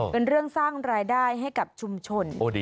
เป็นเรื่องสร้างรายได้ให้กับชุมชน